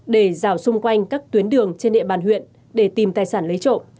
để rào xung quanh các tuyến đường trên địa bàn huyện để tìm tài sản lấy trộm